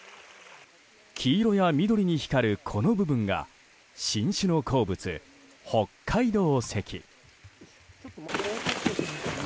黄色や緑に光る、この部分が新種の鉱物・北海道石。